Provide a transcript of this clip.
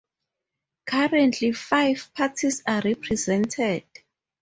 Currently five parties are represented.